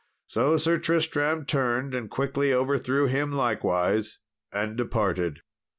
So Sir Tristram turned and quickly overthrew him likewise, and departed.